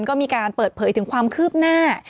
ก็มีการเปิดเผยถึงความคืบหน้า